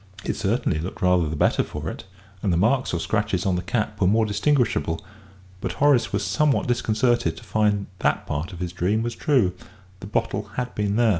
It certainly looked rather the better for it, and the marks or scratches on the cap were more distinguishable, but Horace was somewhat disconcerted to find that part of his dream was true the bottle had been there.